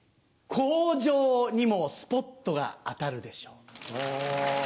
コウジョウにもスポットが当たるでしょう。